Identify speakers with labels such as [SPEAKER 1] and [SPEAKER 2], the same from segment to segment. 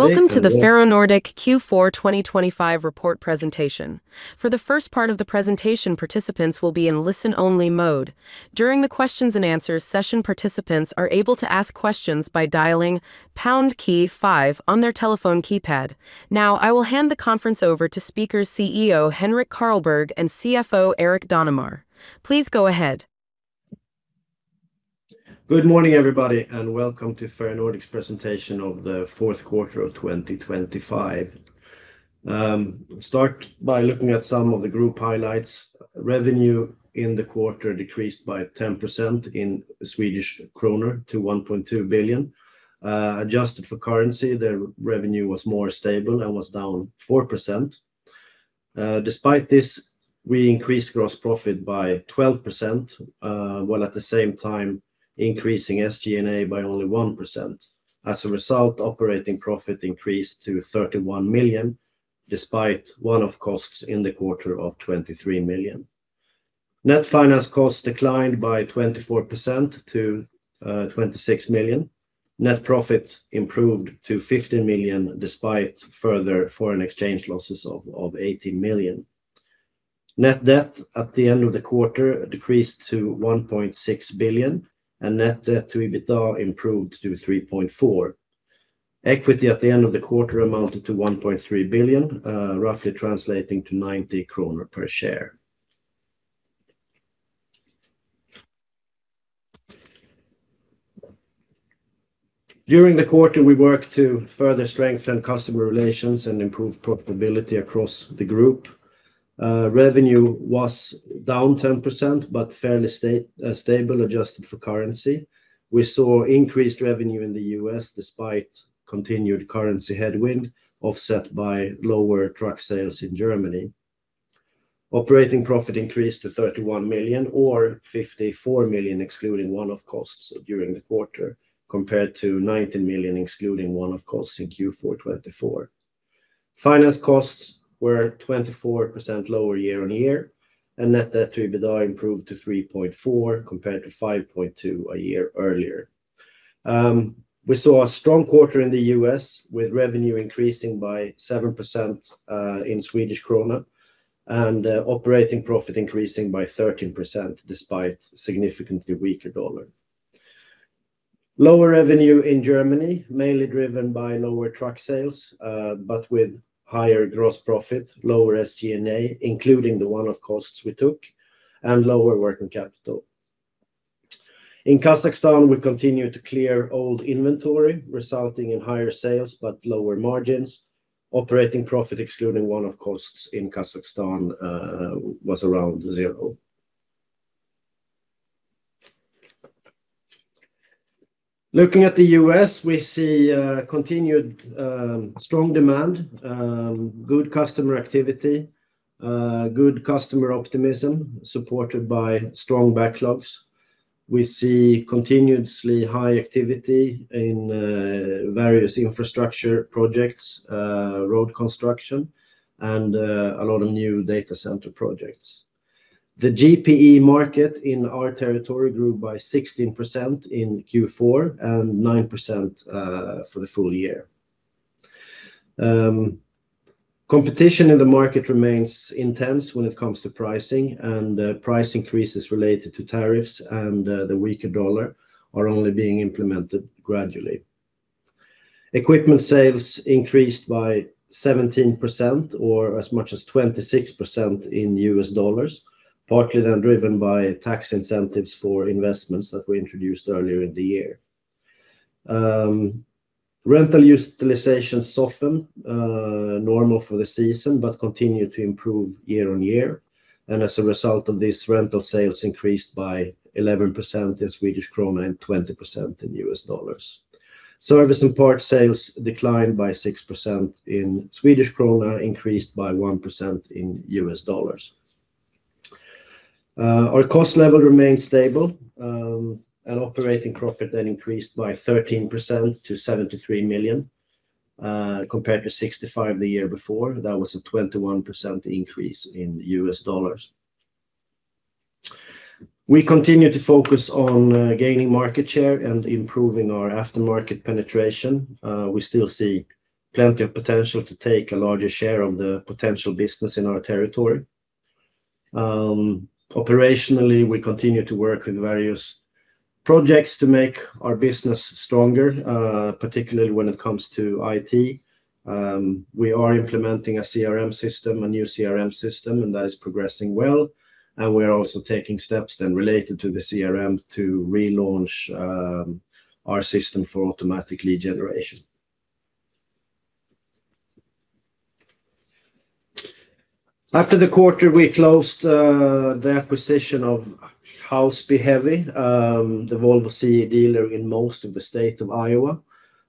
[SPEAKER 1] Welcome to the Ferronordic Q4 2025 report presentation. For the first part of the presentation, participants will be in listen-only mode. During the questions and answers session, participants are able to ask questions by dialing pound key five on their telephone keypad. Now, I will hand the conference over to speakers, CEO Henrik Carlborg and CFO Erik Danemar. Please go ahead.
[SPEAKER 2] Good morning, everybody, and welcome to Ferronordic's presentation of the fourth quarter of 2025. Start by looking at some of the group highlights. Revenue in the quarter decreased by 10% in Swedish krona to 1.2 billion. Adjusted for currency, the revenue was more stable and was down 4%. Despite this, we increased gross profit by 12%, while at the same time increasing SG&A by only 1%. As a result, operating profit increased to 31 million, despite one-off costs in the quarter of 23 million. Net finance costs declined by 24% to 26 million. Net profits improved to 15 million, despite further foreign exchange losses of 18 million. Net debt at the end of the quarter decreased to 1.6 billion, and net debt to EBITDA improved to 3.4. Equity at the end of the quarter amounted to 1.3 billion, roughly translating to 90 kronor per share. During the quarter, we worked to further strengthen customer relations and improve profitability across the group. Revenue was down 10%, but fairly stable, adjusted for currency. We saw increased revenue in the U.S., despite continued currency headwind, offset by lower truck sales in Germany. Operating profit increased to 31 million or 54 million, excluding one-off costs during the quarter, compared to 19 million, excluding one-off costs in Q4 2024. Finance costs were 24% lower year-on-year, and net debt to EBITDA improved to 3.4, compared to 5.2 a year earlier. We saw a strong quarter in the U.S., with revenue increasing by 7% in Swedish krona, and operating profit increasing by 13%, despite significantly weaker dollar. Lower revenue in Germany, mainly driven by lower truck sales, but with higher gross profit, lower SG&A, including the one-off costs we took, and lower working capital. In Kazakhstan, we continued to clear old inventory, resulting in higher sales but lower margins. Operating profit, excluding one-off costs in Kazakhstan, was around zero. Looking at the U.S., we see continued strong demand, good customer activity, good customer optimism, supported by strong backlogs. We see continuously high activity in various infrastructure projects, road construction, and a lot of new data center projects. The GPE market in our territory grew by 16% in Q4 and 9% for the full year. Competition in the market remains intense when it comes to pricing, and price increases related to tariffs and the weaker U.S. dollar are only being implemented gradually. Equipment sales increased by 17% or as much as 26% in $, partly then driven by tax incentives for investments that were introduced earlier in the year. Rental utilization softened, normal for the season, but continued to improve year-on-year, and as a result of this, rental sales increased by 11% in SEK and 20% in dollar. Service and parts sales declined by 6% in SEK, increased by 1% in dollar. Our cost level remained stable, and operating profit then increased by 13% to 73 million, compared to 65 million the year before. That was a 21% increase in dollar. We continue to focus on gaining market share and improving our aftermarket penetration. We still see plenty of potential to take a larger share of the potential business in our territory. Operationally, we continue to work with various projects to make our business stronger, particularly when it comes to IT. We are implementing a CRM system, a new CRM system, and that is progressing well. And we are also taking steps then related to the CRM to relaunch our system for automatic lead generation. After the quarter, we closed the acquisition of Housby Heavy, the Volvo CE dealer in most of the state of Iowa.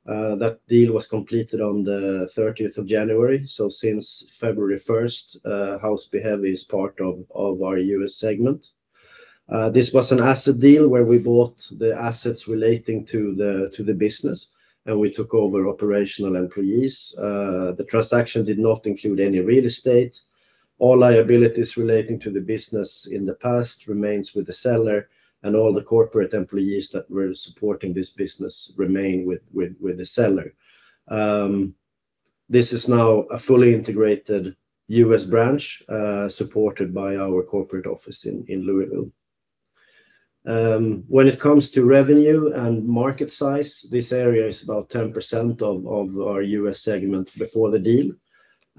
[SPEAKER 2] That deal was completed on the 30th of January, so since February first, Housby Heavy is part of our U.S. segment. This was an asset deal where we bought the assets relating to the business, and we took over operational employees. The transaction did not include any real estate. All liabilities relating to the business in the past remains with the seller, and all the corporate employees that were supporting this business remain with the seller. This is now a fully integrated U.S. branch, supported by our corporate office in Louisville. When it comes to revenue and market size, this area is about 10% of our U.S. segment before the deal.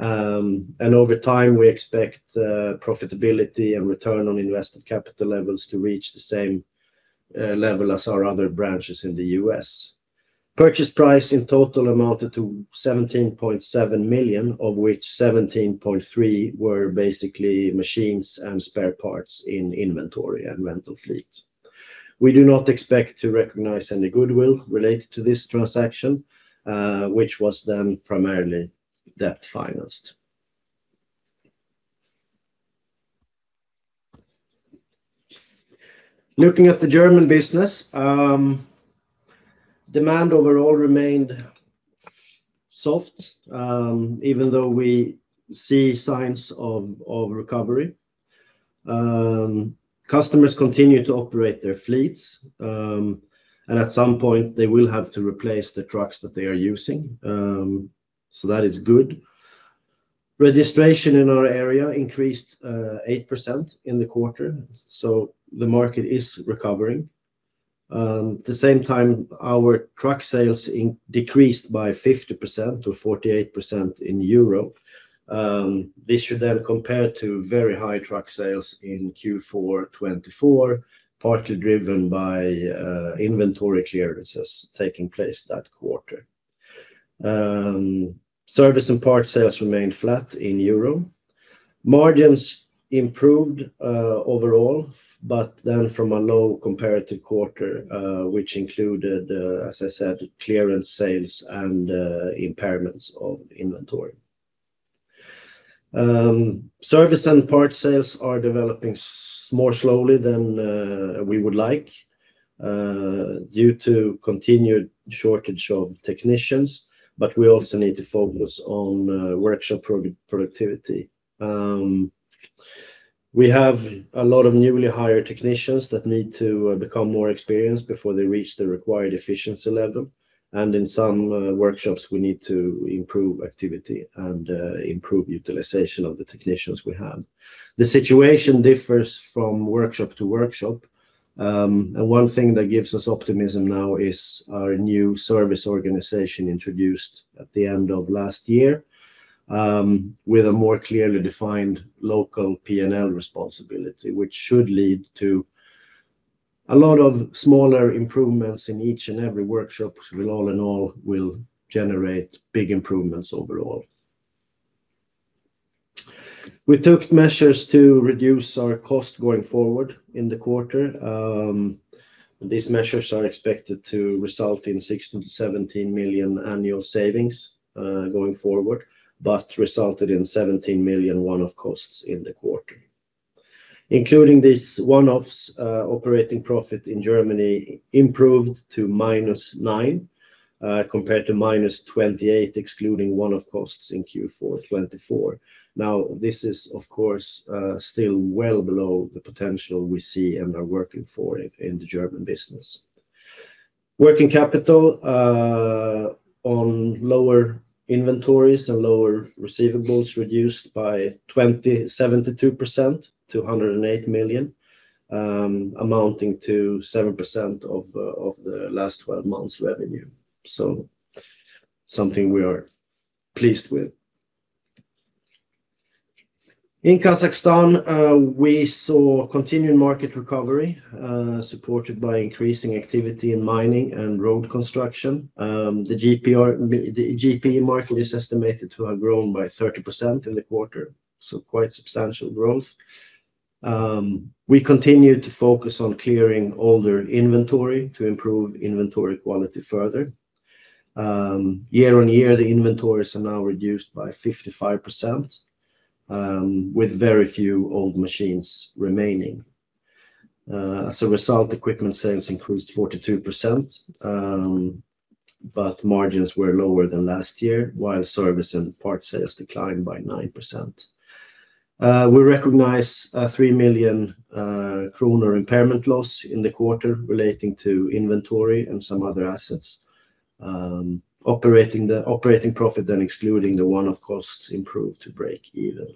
[SPEAKER 2] And over time, we expect profitability and return on invested capital levels to reach the same level as our other branches in the U.S. Purchase price in total amounted to 17.7 million, of which 17.3 million were basically machines and spare parts in inventory and rental fleet. We do not expect to recognize any goodwill related to this transaction, which was then primarily debt-financed. Looking at the German business, demand overall remained soft, even though we see signs of recovery. Customers continue to operate their fleets, and at some point, they will have to replace the trucks that they are using. So that is good. Registration in our area increased 8% in the quarter, so the market is recovering. At the same time, our truck sales decreased by 50% to 48% in Europe. This should then compare to very high truck sales in Q4 2024, partly driven by inventory clearances taking place that quarter. Service and part sales remained flat in Europe. Margins improved overall, but then from a low comparative quarter, which included, as I said, clearance sales and impairments of inventory. Service and part sales are developing more slowly than we would like due to continued shortage of technicians, but we also need to focus on workshop productivity. We have a lot of newly hired technicians that need to become more experienced before they reach the required efficiency level, and in some workshops, we need to improve activity and improve utilization of the technicians we have. The situation differs from workshop to workshop. One thing that gives us optimism now is our new service organization introduced at the end of last year, with a more clearly defined local P&L responsibility, which should lead to a lot of smaller improvements in each and every workshop, which will, all in all, will generate big improvements overall. We took measures to reduce our cost going forward in the quarter. These measures are expected to result in 16 million-17 million annual savings, going forward, but resulted in 17 million one-off costs in the quarter. Including these one-offs, operating profit in Germany improved to -9 million, compared to -28 million, excluding one-off costs in Q4 2024. Now, this is, of course, still well below the potential we see and are working for in the German business. Working capital, on lower inventories and lower receivables, reduced by 72% to SEK 108 million, amounting to 7% of the last 12 months revenue. So something we are pleased with. In Kazakhstan, we saw continued market recovery, supported by increasing activity in mining and road construction. The GPE market is estimated to have grown by 30% in the quarter, so quite substantial growth. We continued to focus on clearing older inventory to improve inventory quality further. Year-on-year, the inventories are now reduced by 55%, with very few old machines remaining. As a result, equipment sales increased 42%, but margins were lower than last year, while service and part sales declined by 9%. We recognize 3 million kronor impairment loss in the quarter relating to inventory and some other assets. Operating profit, then excluding the one-off costs, improved to break even.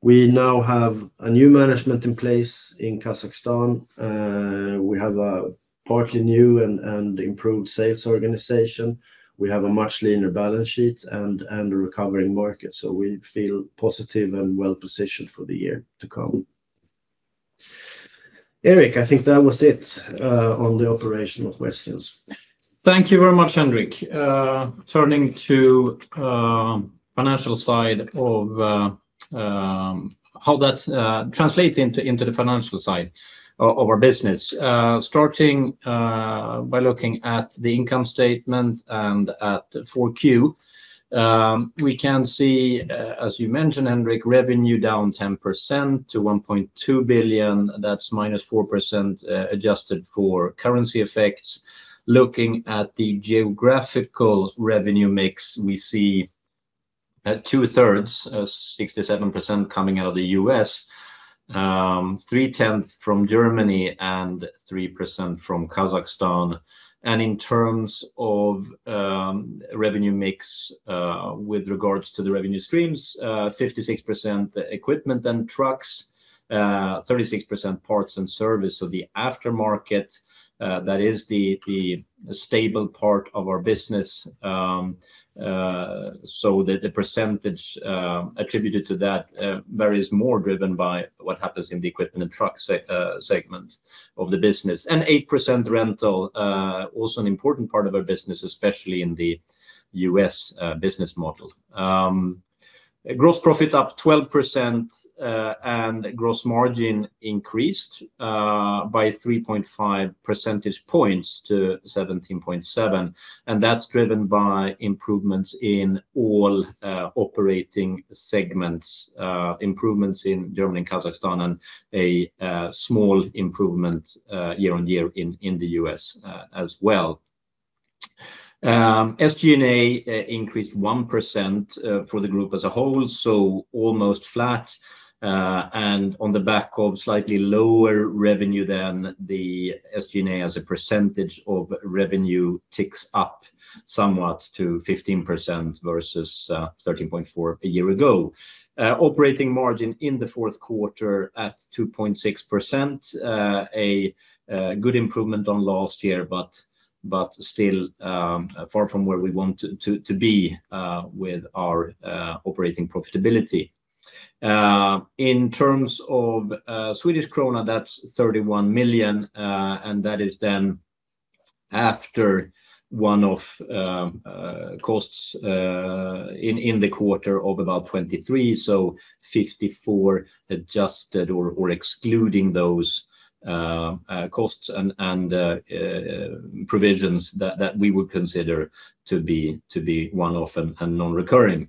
[SPEAKER 2] We now have a new management in place in Kazakhstan. We have a partly new and improved sales organization. We have a much leaner balance sheet and a recovering market, so we feel positive and well-positioned for the year to come. Erik, I think that was it on the operations for us.
[SPEAKER 3] Thank you very much, Henrik. Turning to financial side of how that translates into the financial side of our business. Starting by looking at the income statement and at the Q4, we can see, as you mentioned, Henrik, revenue down 10% to 1.2 billion. That's -4%, adjusted for currency effects. Looking at the geographical revenue mix, we see two-thirds, 67% coming out of the U.S., three-tenths from Germany and 3% from Kazakhstan. And in terms of revenue mix, with regards to the revenue streams, 56% equipment and trucks, 36% parts and service. So the aftermarket, that is the stable part of our business, so the percentage attributed to that varies more driven by what happens in the equipment and truck segment of the business. And 8% rental, also an important part of our business, especially in the U.S. business model. Gross profit up 12%, and gross margin increased by 3.5 percentage points to 17.7, and that's driven by improvements in all operating segments, improvements in Germany and Kazakhstan, and a small improvement year-on-year in the U.S. as well. SG&A increased 1% for the group as a whole, so almost flat, and on the back of slightly lower revenue than the SG&A as a percentage of revenue ticks up somewhat to 15% versus 13.4% a year ago. Operating margin in the fourth quarter at 2.6%, a good improvement on last year, but still far from where we want to be with our operating profitability. In terms of Swedish krona, that's 31 million, and that is then after one-off costs in the quarter of about 23 million, so 54 million adjusted or excluding those costs and provisions that we would consider to be one-off and non-recurring.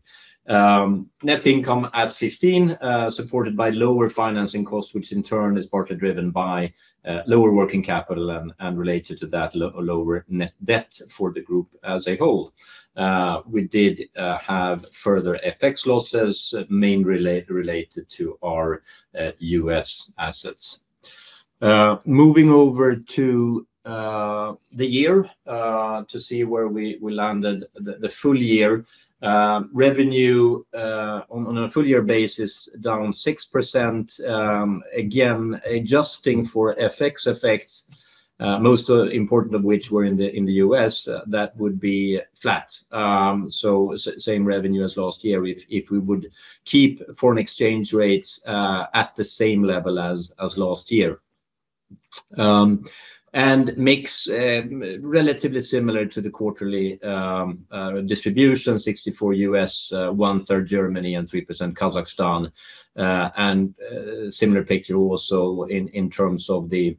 [SPEAKER 3] Net income at 15, supported by lower financing costs, which in turn is partly driven by lower working capital and related to that, lower net debt for the group as a whole. We did have further FX losses, mainly related to our U.S. assets. Moving over to the year, to see where we landed the full year. Revenue on a full year basis, down 6%, again, adjusting for FX effects, most important of which were in the U.S., that would be flat. So same revenue as last year, if we would keep foreign exchange rates at the same level as last year. And mix, relatively similar to the quarterly distribution, 64 U.S., one-third Germany, and 3% Kazakhstan. Similar picture also in terms of the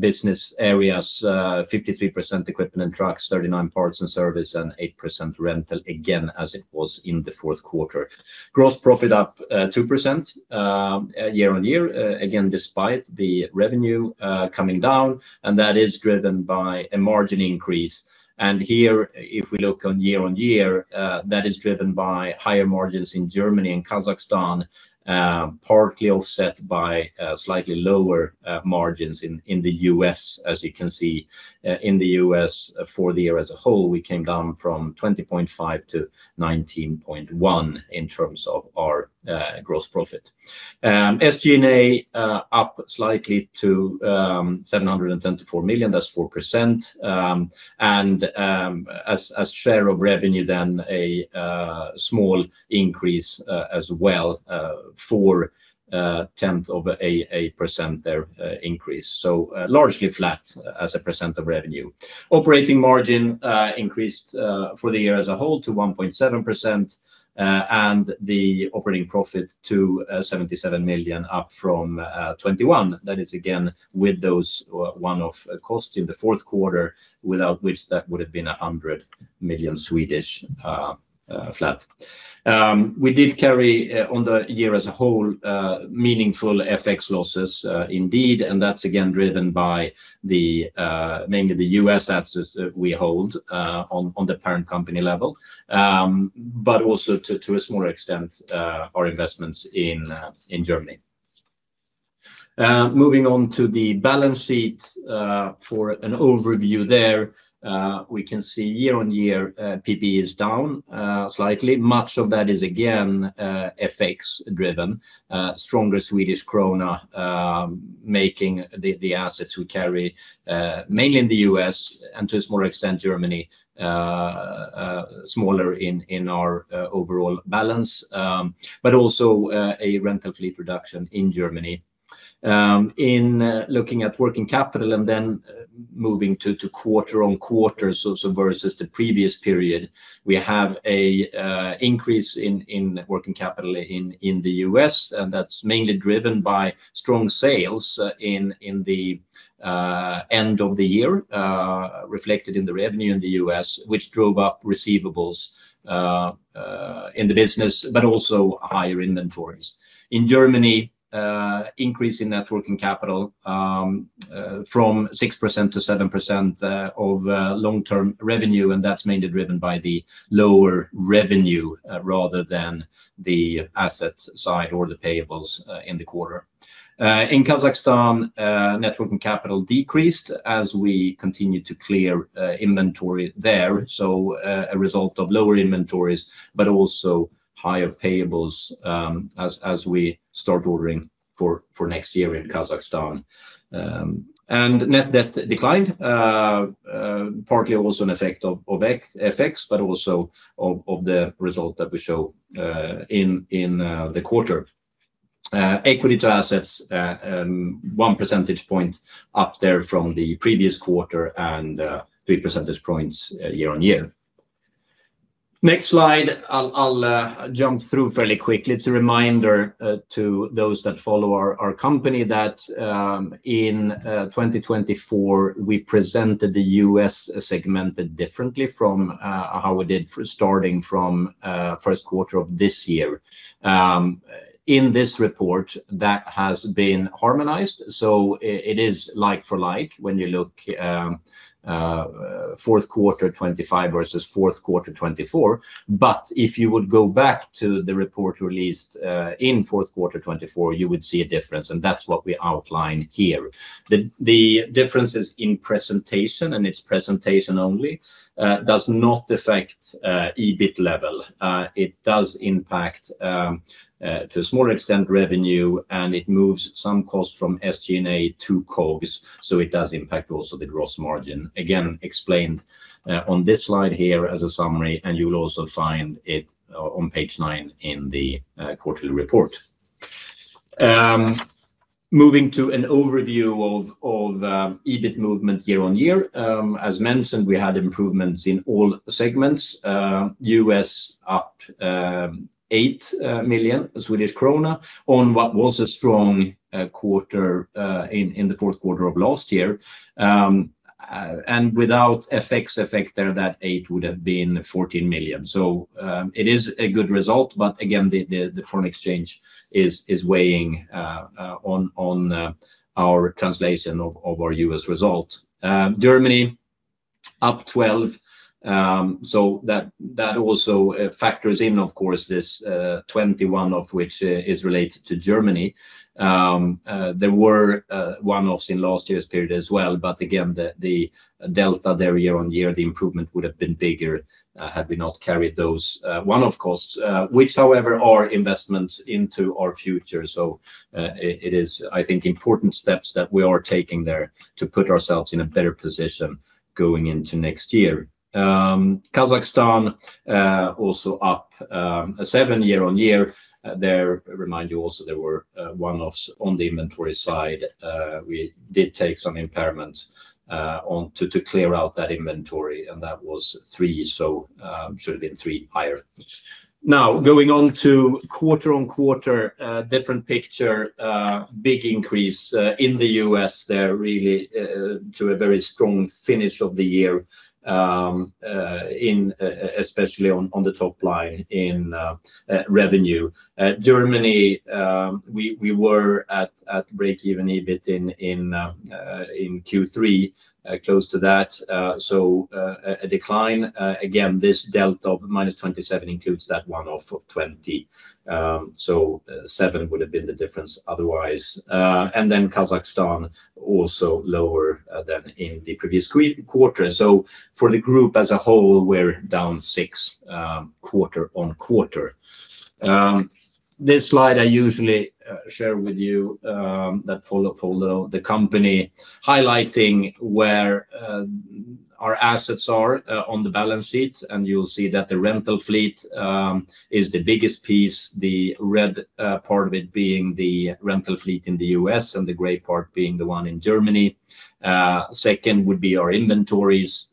[SPEAKER 3] business areas, 53% equipment and trucks, 39 parts and service, and 8% rental, again, as it was in the fourth quarter. Gross profit up 2%, year-over-year, again, despite the revenue coming down, and that is driven by a margin increase. Here, if we look year-over-year, that is driven by higher margins in Germany and Kazakhstan, partly offset by slightly lower margins in the U.S.. As you can see, in the U.S. for the year as a whole, we came down from 20.5% to 19.1% in terms of our gross profit. SG&A up slightly to 734 million, that's 4%. As a share of revenue, then a small increase as well, for a tenth of a percent increase. So largely flat as a percent of revenue. Operating margin increased for the year as a whole to 1.7%, and the operating profit to 77 million up from 21 million. That is, again, with those one-off costs in the fourth quarter, without which that would have been 100 million flat. We did carry on the year as a whole meaningful FX losses, indeed, and that's again, driven by mainly the U.S. assets that we hold on the parent company level, but also to a smaller extent our investments in Germany. Moving on to the balance sheet, for an overview there, we can see year-on-year PP&E is down slightly. Much of that is again FX driven, stronger Swedish krona making the assets we carry, mainly in the U.S. and to a smaller extent Germany, smaller in our overall balance, but also a rental fleet reduction in Germany. In looking at working capital and then moving to quarter-on-quarter, so versus the previous period, we have an increase in working capital in the U.S., and that's mainly driven by strong sales in the end of the year, reflected in the revenue in the U.S., which drove up receivables in the business, but also higher inventories. In Germany, increase in net working capital, from 6%-7% of long-term revenue, and that's mainly driven by the lower revenue, rather than the asset side or the payables, in the quarter. In Kazakhstan, net working capital decreased as we continued to clear inventory there. So, a result of lower inventories, but also higher payables, as we start ordering for next year in Kazakhstan. And net debt declined, partly also an effect of ex-FX, but also of the result that we show, in the quarter. Equity to assets, 1 percentage point up there from the previous quarter and, 3 percentage points, year-on-year. Next slide, I'll jump through fairly quickly. It's a reminder to those that follow our company that, in 2024, we presented the U.S. segmented differently from how we did starting from first quarter of this year. In this report, that has been harmonized, so it is like for like, when you look fourth quarter 2025 versus fourth quarter 2024. But if you would go back to the report released in fourth quarter 2024, you would see a difference, and that's what we outline here. The differences in presentation, and it's presentation only, does not affect EBITDA level. It does impact, to a smaller extent, revenue, and it moves some costs from SG&A to COGS, so it does impact also the gross margin. Again, explained on this slide here as a summary, and you will also find it on page nine in the quarterly report. Moving to an overview of EBITDA movement year-over-year. As mentioned, we had improvements in all segments. U.S. up 8 million Swedish krona on what was a strong quarter in the fourth quarter of last year. And without FX effect there, that eight would have been 14 million. So, it is a good result, but again, the foreign exchange is weighing on our translation of our U.S. result. Germany, up 12. So that also factors in, of course, this 21, of which is related to Germany. There were one-offs in last year's period as well, but again, the delta there year-on-year, the improvement would have been bigger had we not carried those one-off costs, which, however, are investments into our future. So, it is, I think, important steps that we are taking there to put ourselves in a better position going into next year. Kazakhstan also up 7 year-on-year. Let me remind you also, there were one-offs on the inventory side. We did take some impairments onto to clear out that inventory, and that was 3, so should have been 3 higher. Now, going on to quarter-on-quarter, different picture, big increase in the U.S. there, really, to a very strong finish of the year, especially on the top line in revenue. Germany, we were at break-even EBITDA in Q3, close to that. So, a decline, again, this delta of -27 includes that one-off of 20. So, 7 would have been the difference otherwise. And then Kazakhstan, also lower than in the previous quarter. So for the group as a whole, we're down 6, quarter-on-quarter. This slide I usually share with you that follow the company, highlighting where our assets are on the balance sheet, and you'll see that the rental fleet is the biggest piece, the red part of it being the rental fleet in the U.S., and the gray part being the one in Germany. Second would be our inventories,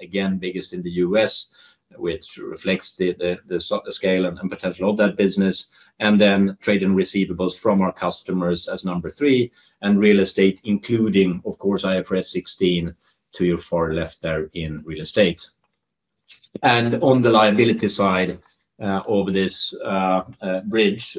[SPEAKER 3] again, biggest in the U.S., which reflects the scale and potential of that business, and then trade and receivables from our customers as number three, and real estate, including, of course, IFRS 16, to your far left there in real estate. And on the liability side of this bridge,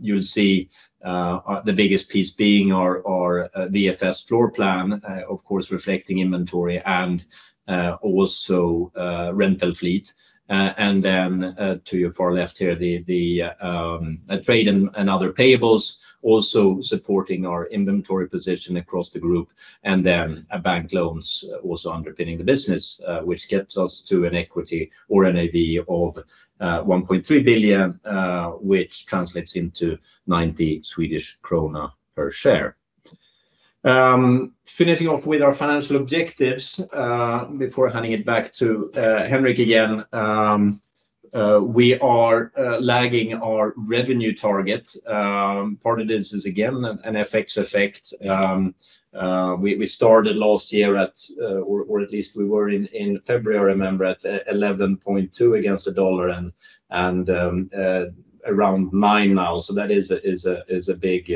[SPEAKER 3] you'll see the biggest piece being our VFS floor plan, of course, reflecting inventory and also rental fleet. And then, to your far left here, the trade and other payables also supporting our inventory position across the group, and then, bank loans also underpinning the business, which gets us to an equity or NAV of 1.3 billion, which translates into 90 Swedish krona per share. Finishing off with our financial objectives, before handing it back to Henrik again, we are lagging our revenue target. Part of this is, again, an FX effect. We started last year at, or at least we were in February, I remember, at 11.2 against the dollar and around 9 now. So that is a big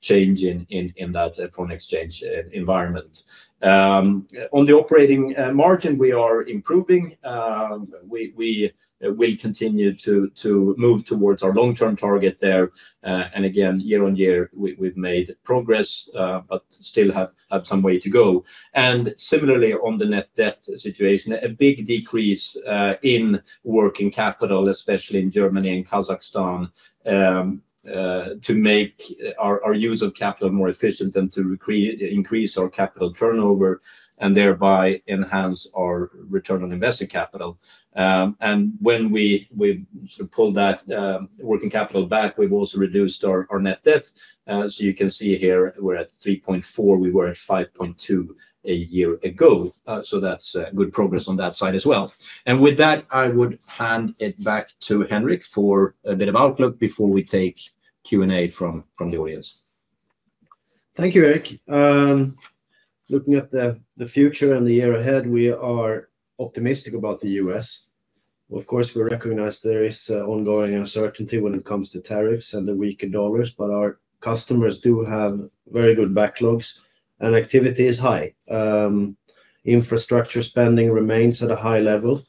[SPEAKER 3] change in that foreign exchange environment. On the operating margin, we are improving. We will continue to move towards our long-term target there. And again, year-on-year, we've made progress, but still have some way to go. And similarly, on the net debt situation, a big decrease in working capital, especially in Germany and Kazakhstan, to make our use of capital more efficient and to increase our capital turnover, and thereby enhance our return on invested capital. And when we sort of pull that working capital back, we've also reduced our net debt. So you can see here, we're at 3.4, we were at 5.2 a year ago. So that's good progress on that side as well. With that, I would hand it back to Henrik for a bit of outlook before we take Q&A from the audience.
[SPEAKER 2] Thank you, Erik. Looking at the future and the year ahead, we are optimistic about the U.S. Of course, we recognize there is ongoing uncertainty when it comes to tariffs and the weaker dollars, but our customers do have very good backlogs, and activity is high. Infrastructure spending remains at a high level,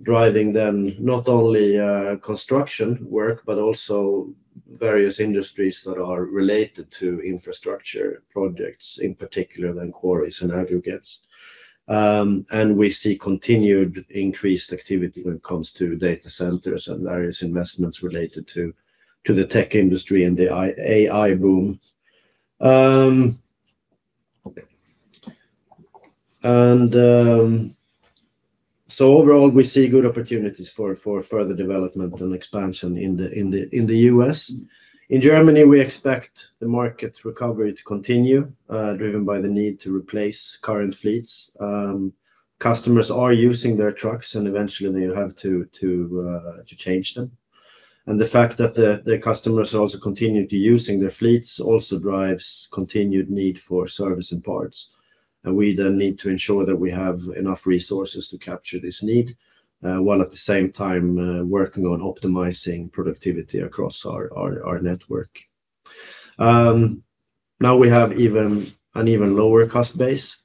[SPEAKER 2] driving then not only construction work, but also various industries that are related to infrastructure projects, in particular, than quarries and aggregates. And we see continued increased activity when it comes to data centers and various investments related to the tech industry and the AI boom. So overall, we see good opportunities for further development and expansion in the U.S. In Germany, we expect the market recovery to continue, driven by the need to replace current fleets. Customers are using their trucks, and eventually they have to to change them. The fact that the customers are also continuing to using their fleets also drives continued need for service and parts. We then need to ensure that we have enough resources to capture this need, while at the same time, working on optimizing productivity across our network. Now we have an even lower cost base,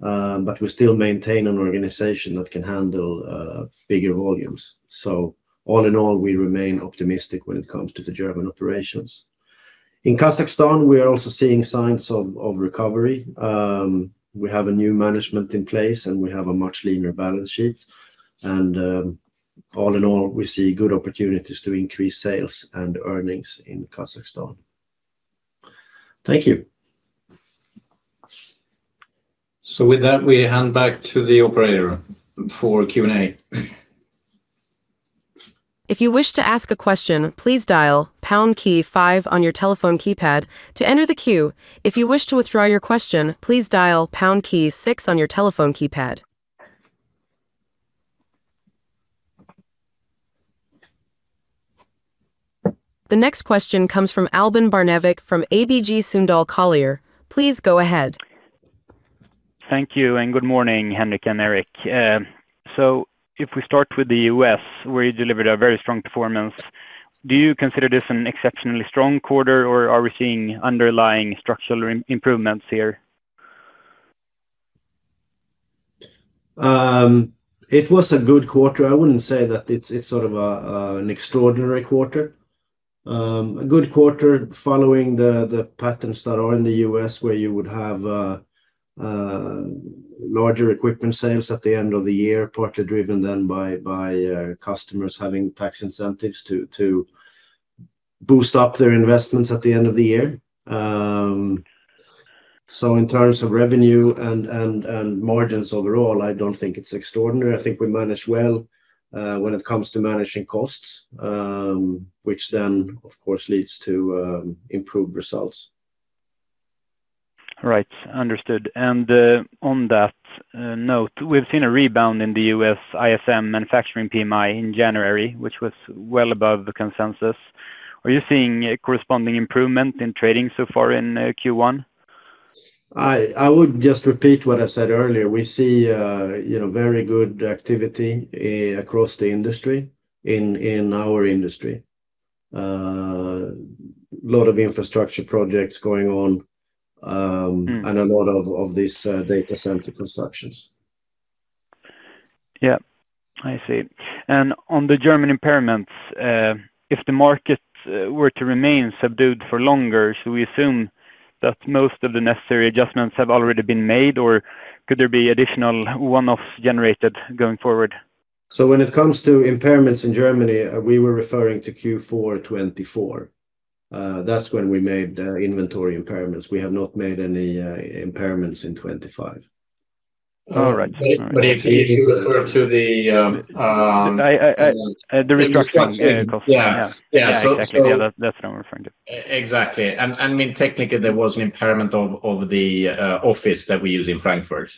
[SPEAKER 2] but we still maintain an organization that can handle bigger volumes. All in all, we remain optimistic when it comes to the German operations. In Kazakhstan, we are also seeing signs of recovery. We have a new management in place, and we have a much leaner balance sheet, and all in all, we see good opportunities to increase sales and earnings in Kazakhstan. Thank you.
[SPEAKER 3] With that, we hand back to the operator for Q&A.
[SPEAKER 1] If you wish to ask a question, please dial pound key five on your telephone keypad to enter the queue. If you wish to withdraw your question, please dial pound key six on your telephone keypad. The next question comes from Albin Barnevik, from ABG Sundal Collier. Please go ahead.
[SPEAKER 4] Thank you, and good morning, Henrik and Erik. So if we start with the U.S., where you delivered a very strong performance, do you consider this an exceptionally strong quarter, or are we seeing underlying structural improvements here?
[SPEAKER 2] It was a good quarter. I wouldn't say that it's sort of an extraordinary quarter. It was a good quarter following the patterns that are in the U.S., where you would have larger equipment sales at the end of the year, partly driven then by customers having tax incentives to boost up their investments at the end of the year. So in terms of revenue and margins overall, I don't think it's extraordinary. I think we managed well when it comes to managing costs, which then, of course, leads to improved results.
[SPEAKER 4] Right. Understood. And, on that note, we've seen a rebound in the U.S. ISM Manufacturing PMI in January, which was well above the consensus. Are you seeing a corresponding improvement in trading so far in Q1?
[SPEAKER 2] I, I would just repeat what I said earlier. We see, you know, very good activity across the industry, in our industry. A lot of infrastructure projects going on.
[SPEAKER 4] Mm...
[SPEAKER 2] and a lot of these data center constructions.
[SPEAKER 4] Yeah, I see. And on the German impairments, if the market were to remain subdued for longer, should we assume that most of the necessary adjustments have already been made, or could there be additional one-offs generated going forward?
[SPEAKER 2] So when it comes to impairments in Germany, we were referring to Q4 2024. That's when we made the inventory impairments. We have not made any impairments in 2025....
[SPEAKER 4] All right.
[SPEAKER 3] But if you refer to the
[SPEAKER 4] The restructuring costs.
[SPEAKER 3] Yeah.
[SPEAKER 4] Yeah.
[SPEAKER 3] Yeah, so-
[SPEAKER 4] That's, that's what I'm referring to.
[SPEAKER 3] Exactly. And I mean, technically, there was an impairment of the office that we use in Frankfurt,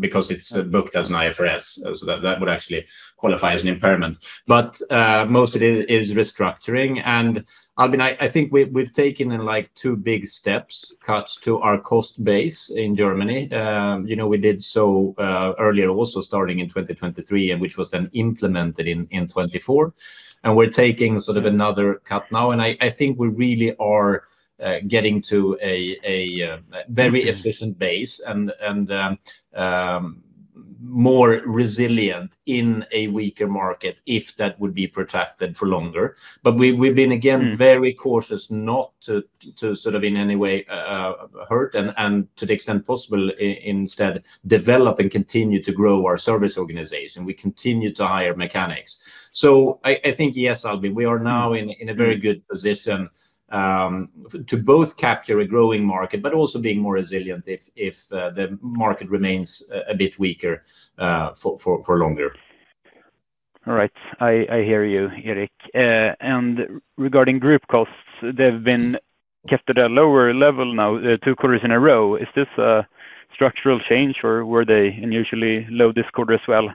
[SPEAKER 3] because it's booked as an IFRS. So that would actually qualify as an impairment. But most of it is restructuring. And Albin, I think we've taken, like, two big steps, cuts to our cost base in Germany. You know, we did so earlier also starting in 2023, and which was then implemented in 2024. And we're taking sort of another cut now, and I think we really are getting to a very efficient base and more resilient in a weaker market if that would be protracted for longer. But we've been, again, very cautious not to sort of in any way hurt, and to the extent possible, instead, develop and continue to grow our service organization. We continue to hire mechanics. So I think, yes, Albin, we are now in a very good position to both capture a growing market, but also being more resilient if the market remains a bit weaker for longer.
[SPEAKER 4] All right. I hear you, Erik. And regarding group costs, they've been kept at a lower level now, two quarters in a row. Is this a structural change, or were they unusually low this quarter as well?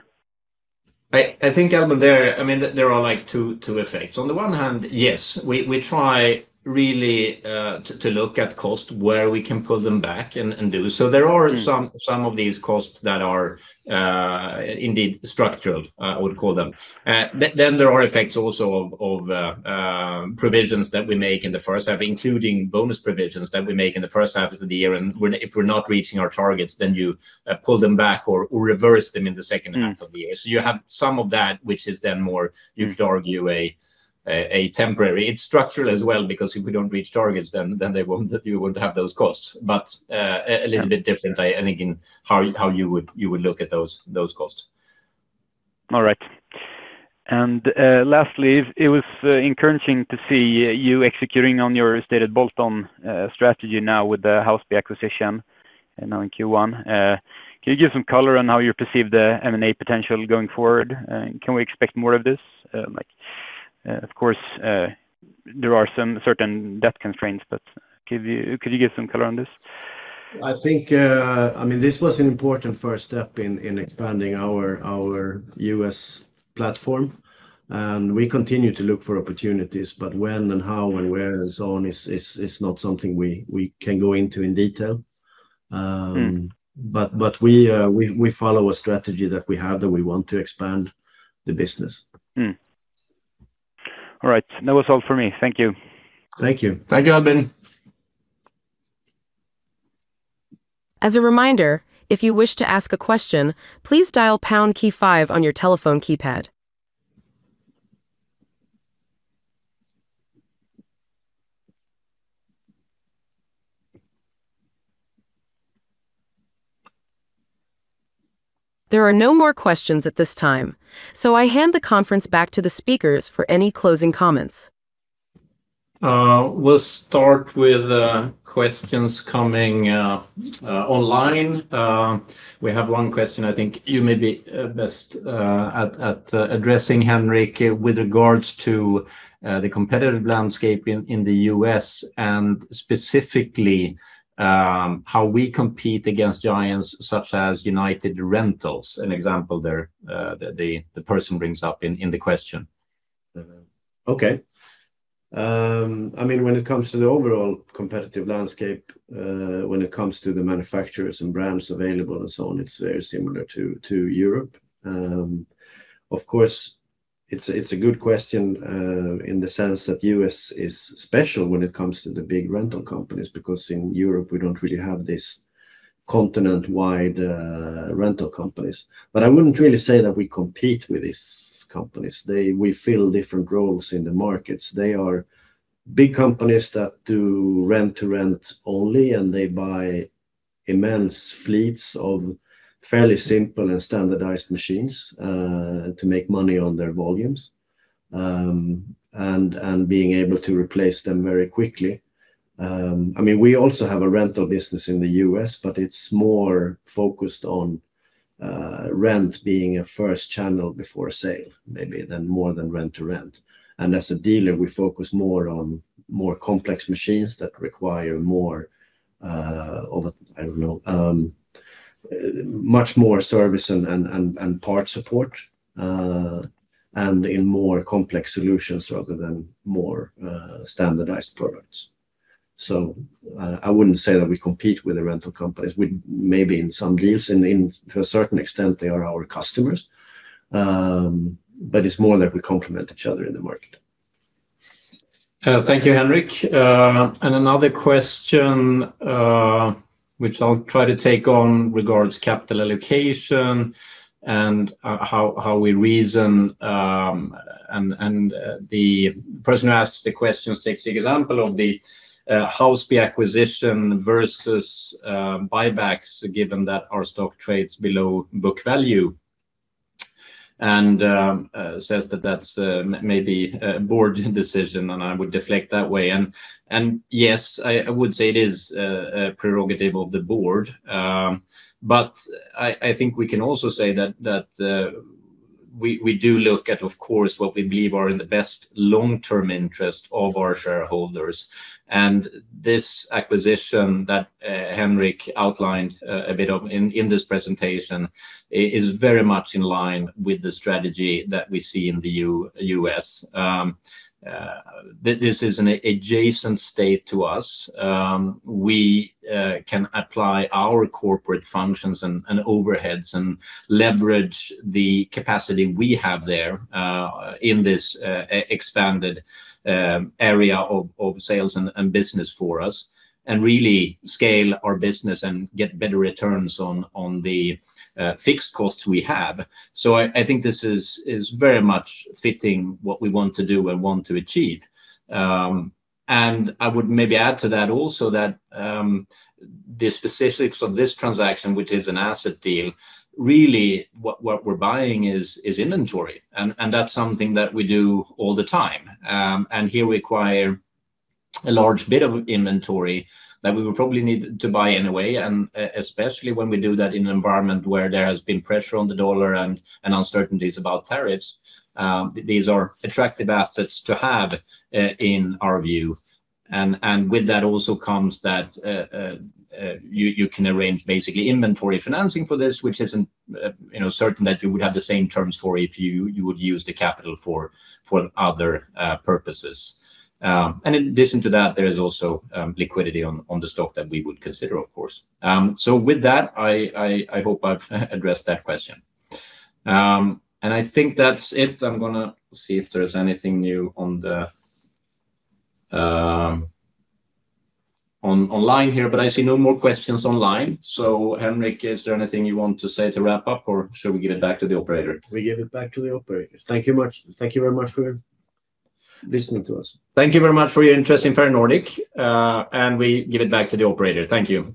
[SPEAKER 3] I think, Albin, I mean, there are, like, two effects. On the one hand, yes, we try really to look at cost, where we can pull them back and do. So there are some of these costs that are indeed structural, I would call them. Then there are effects also of provisions that we make in the first half, including bonus provisions that we make in the first half of the year. And if we're not reaching our targets, then you pull them back or reverse them in the second half of the year. So you have some of that, which is then more, you could argue, a temporary. It's structural as well, because if we don't reach targets, then they won't. You wouldn't have those costs. But a little bit different, I think, in how you would look at those costs.
[SPEAKER 4] All right. Lastly, it was encouraging to see you executing on your stated bolt-on strategy now with the Housby acquisition and now in Q1. Can you give some color on how you perceive the M&A potential going forward? Can we expect more of this? Like, of course, there are some certain debt constraints, but could you give some color on this?
[SPEAKER 2] I think, I mean, this was an important first step in expanding our U.S. platform, and we continue to look for opportunities, but when and how and where and so on is not something we can go into in detail.
[SPEAKER 4] Mm.
[SPEAKER 2] But we follow a strategy that we have, that we want to expand the business.
[SPEAKER 4] Mm. All right, that was all for me. Thank you.
[SPEAKER 2] Thank you.
[SPEAKER 3] Thank you, Albin.
[SPEAKER 1] As a reminder, if you wish to ask a question, please dial pound key five on your telephone keypad. There are no more questions at this time, so I hand the conference back to the speakers for any closing comments.
[SPEAKER 3] We'll start with questions coming online. We have one question I think you may be best at addressing, Henrik, with regards to the competitive landscape in the U.S., and specifically, how we compete against giants such as United Rentals, an example there, the person brings up in the question.
[SPEAKER 2] Okay. I mean, when it comes to the overall competitive landscape, when it comes to the manufacturers and brands available and so on, it's very similar to Europe. Of course, it's a good question, in the sense that U.S. is special when it comes to the big rental companies, because in Europe, we don't really have this continent-wide rental companies. But I wouldn't really say that we compete with these companies. They. We fill different roles in the markets. They are big companies that do rent-to-rent only, and they buy immense fleets of fairly simple and standardized machines, to make money on their volumes, and being able to replace them very quickly. I mean, we also have a rental business in the U.S., but it's more focused on rent being a first channel before a sale, maybe then more than rent-to-rent. And as a dealer, we focus more on more complex machines that require more of a, I don't know, much more service and part support, and in more complex solutions rather than more standardized products. So, I wouldn't say that we compete with the rental companies. We maybe in some deals and in, to a certain extent, they are our customers, but it's more that we complement each other in the market.
[SPEAKER 3] Thank you, Henrik. Another question, which I'll try to take on regarding capital allocation and how we reason, and the person who asks the questions takes the example of the Housby acquisition versus buybacks, given that our stock trades below book value... and says that that's maybe a board decision, and I would deflect that way. Yes, I would say it is a prerogative of the board. But I think we can also say that we do look at, of course, what we believe are in the best long-term interest of our shareholders. This acquisition that Henrik outlined a bit in this presentation is very much in line with the strategy that we see in the U.S.. This is an adjacent state to us. We can apply our corporate functions and overheads and leverage the capacity we have there in this expanded area of sales and business for us, and really scale our business and get better returns on the fixed costs we have. So I think this is very much fitting what we want to do and want to achieve. And I would maybe add to that also that the specifics of this transaction, which is an asset deal, really what we're buying is inventory, and that's something that we do all the time. And here we acquire a large bit of inventory that we would probably need to buy anyway, and especially when we do that in an environment where there has been pressure on the dollar and uncertainties about tariffs, these are attractive assets to have, in our view. And with that also comes that you can arrange basically inventory financing for this, which isn't, you know, certain that you would have the same terms for if you would use the capital for other purposes. And in addition to that, there is also liquidity on the stock that we would consider, of course. So with that, I hope I've addressed that question. And I think that's it. I'm gonna see if there is anything new on the... one online here, but I see no more questions online. So Henrik, is there anything you want to say to wrap up, or should we give it back to the operator?
[SPEAKER 2] We give it back to the operator. Thank you much. Thank you very much for listening to us.
[SPEAKER 3] Thank you very much for your interest in Ferronordic. We give it back to the operator. Thank you very much.